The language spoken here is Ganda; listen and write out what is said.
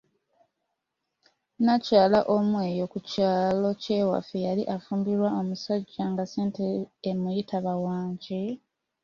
Nnakyala omu eyo ku kyalo kye waffe, yali afumbiddwa omusajja nga ssente emuyitaba," wangi".